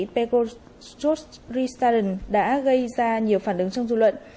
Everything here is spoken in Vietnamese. pekosch ristadl đã gây ra nhiều phản ứng trong dư luận